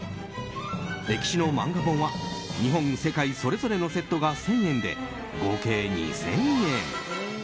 歴史の漫画本は日本、世界それぞれのセットが１０００円で合計２０００円。